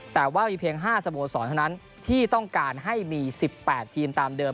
แต่ว่ามีเพียง๕สโมสรเท่านั้นที่ต้องการให้มี๑๘ทีมตามเดิม